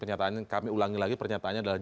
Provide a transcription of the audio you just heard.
kenyataannya kami ulangi lagi pernyataannya adalah